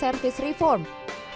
dan juga pengusaha pemerintah